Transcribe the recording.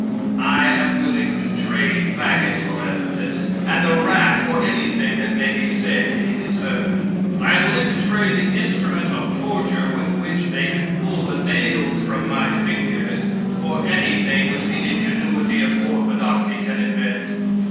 I am willing to trade fagots for epithets, and the rack for anything that may be said in his sermon. I am willing to trade the instrument of torture with which they could pull the nails from my fingers for anything which the ingenuity of orthodoxy can invent.